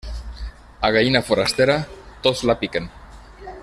A gallina forastera tots la piquen.